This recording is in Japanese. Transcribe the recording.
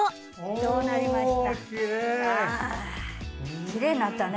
どうなりました？